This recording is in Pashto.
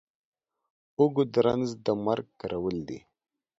اوږ د رنځ د مرگ کرول دي.